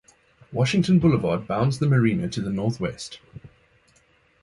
Washington Boulevard bounds the Marina to the northwest.